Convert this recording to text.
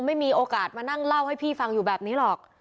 มานั่งเล่าให้พี่ฟังอยู่แบบนี้หรอก